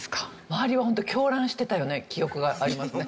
周りはホント狂乱してたような記憶がありますね。